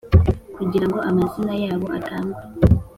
kugira ngo amazina yabo atangazwe